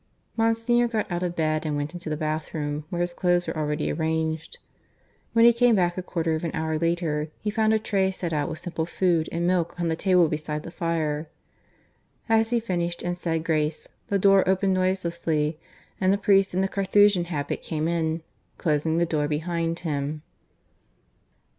Monsignor got out of bed and went into the bathroom, where his clothes were already arranged. When he came back a quarter of an hour later, he found a tray set out with simple food and milk on the table beside the fire. As he finished and said grace the door opened noiselessly, and a priest in the Carthusian habit came in, closing the door behind him.